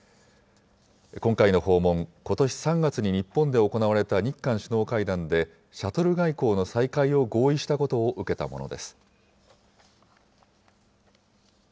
今回の訪問、ことし３月に日本で行われた日韓首脳会談で、シャトル外交の再開を合意したことを受けたものです。